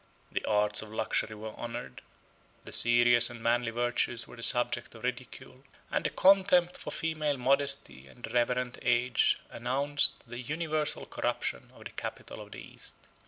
The arts of luxury were honored; the serious and manly virtues were the subject of ridicule; and the contempt for female modesty and reverent age announced the universal corruption of the capital of the East.